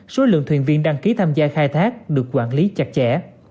số lượng thuyền viên đăng ký tham gia khai thác được quản lý chặt chẽ